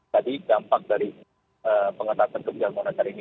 tadi dampak dari pengatasan kebijakan monitor ini